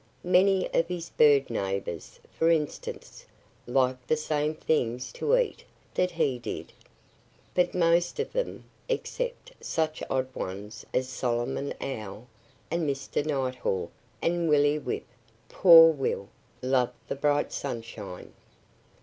Many of his bird neighbors, for instance, liked the same things to eat that he did. But most of them except such odd ones as Solomon Owl, and Mr. Nighthawk, and Willie Whip poor will loved the bright sunshine.